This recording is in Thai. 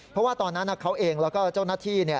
เพราะว่าตอนนั้นเขาเองแล้วก็เจ้าหน้าที่